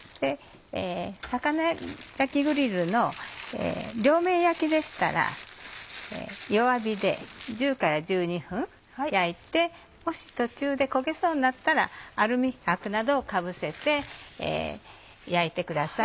魚焼きグリルの両面焼きでしたら弱火で１０分から１２分焼いてもし途中で焦げそうになったらアルミ箔などをかぶせて焼いてください。